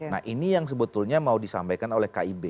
nah ini yang sebetulnya mau disampaikan oleh kib